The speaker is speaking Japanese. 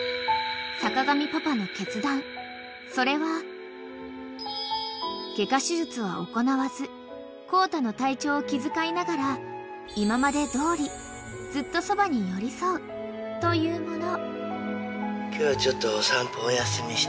［それは外科手術は行わずコウタの体調を気遣いながら今までどおりずっとそばに寄り添うというもの］